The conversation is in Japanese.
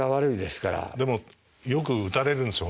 でもよく打たれるんですよ